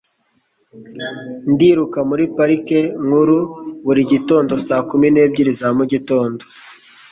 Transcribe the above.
Ndiruka muri Parike Nkuru buri gitondo saa kumi n'ebyiri za mugitondo